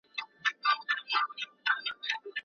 ولي معلولین باید په ټولنه کي د کار کولو مساوي فرصتونه ولري؟